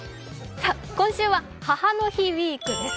今週は母の日ウイークです。